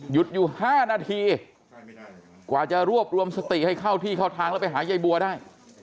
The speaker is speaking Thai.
อยู่๕นาทีกว่าจะรวบรวมสติให้เข้าที่เข้าทางแล้วไปหายายบัวได้